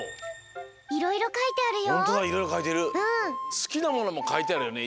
すきなものもかいてあるよね。